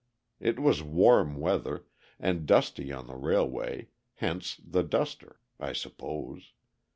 It was warm weather, and dusty on the railway, hence the duster, I suppose.